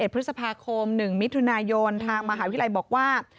พฤษภาคม๑มิถุนายนทางมหาวิทยาลัยบอกว่า